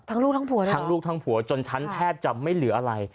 ลูกทั้งผัวเลยทั้งลูกทั้งผัวจนฉันแทบจะไม่เหลืออะไร